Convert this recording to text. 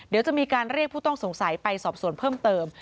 เดี๋ยวจะมีการเรียกผู้ต้องสงสัยไปสอบส่วนเพิ่มเติม